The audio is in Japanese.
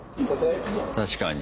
確かに。